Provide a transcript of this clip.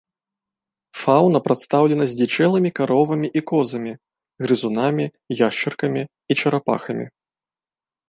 Фаўна прадстаўлена здзічэлымі каровамі і козамі, грызунамі, яшчаркамі і чарапахамі.